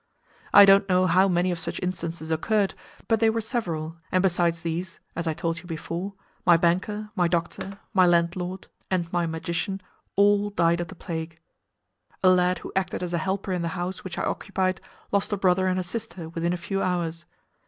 I don't know how many of such instances occurred, but they were several, and besides these (as I told you before), my banker, my doctor, my landlord, and my magician all died of the plague. A lad who acted as a helper in the house which I occupied lost a brother and a sister within a few hours.